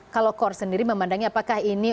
kalau core sendiri memandangnya apakah ini